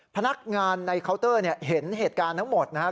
พนักงานในเคาน์เตอร์เห็นเหตุการณ์ทั้งหมดนะครับ